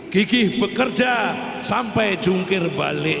gigih bekerja sampai jungkir balik